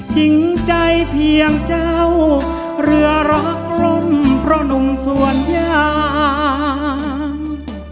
จิ้งใจเพียงเจ้าเหลือรักล้มพระหนุงสวนยาง